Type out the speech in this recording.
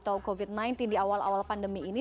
atau covid sembilan belas di awal awal pandemi ini